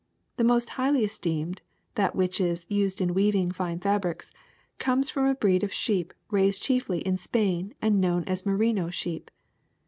The most highly esteemed, that which is used in weav ing fine fabrics, comes from a breed of sheep raised chiefly in Spain and known as merino sheep.